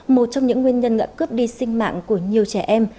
một trong những nguyên nhân cướp đi sinh mạng của nhiều trẻ em